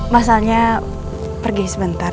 mas alnya pergi sebentar